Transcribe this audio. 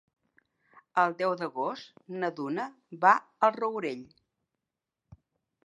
El deu d'agost na Duna va al Rourell.